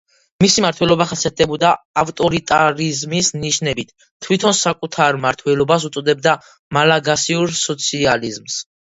მისი მმართველობა ხასიათდებოდა ავტორიტარიზმის ნიშნებით, თვითონ საკუთარ მმართველობას უწოდებდა „მალაგასიურ სოციალიზმს“.